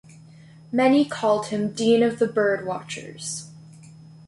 Many called him Dean of the Birdwatchers.